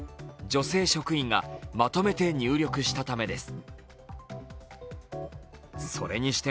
女性職員がまとめて入力したためです。